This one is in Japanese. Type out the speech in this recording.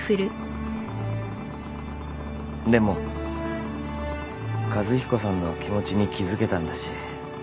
でも和彦さんの気持ちに気付けたんだし。